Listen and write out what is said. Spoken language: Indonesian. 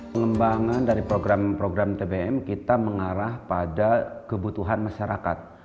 pengembangan dari program program tbm kita mengarah pada kebutuhan masyarakat